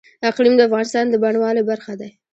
اقلیم د افغانستان د بڼوالۍ برخه ده.